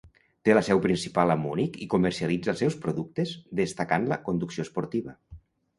Té la seu principal a Munic i comercialitza els seus productes destacant la conducció esportiva.